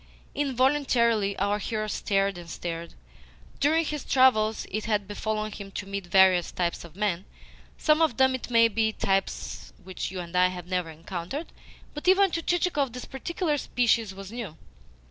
Involuntarily our hero started and stared. During his travels it had befallen him to meet various types of men some of them, it may be, types which you and I have never encountered; but even to Chichikov this particular species was new.